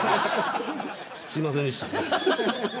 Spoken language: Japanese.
すいませんでした。